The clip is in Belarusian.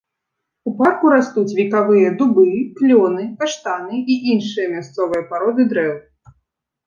У парку растуць векавыя дубы, клёны, каштаны і іншыя мясцовыя пароды дрэў.